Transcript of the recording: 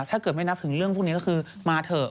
ถ้าเกิดไม่นับถึงเรื่องพวกนี้ก็คือมาเถอะ